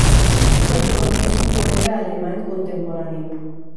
Uwe Nolte es un poeta alemán contemporáneo.